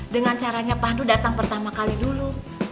dengan caranya pandu datang pertama kali dulu